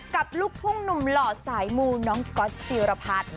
กลับลูกพุ่งหนุ่มหล่อสายมูกน้องก๊อตตรีรพัท